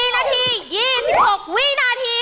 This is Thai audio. ๔นาที๒๖วินาที